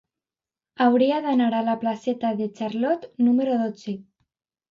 Hauria d'anar a la placeta de Charlot número dotze.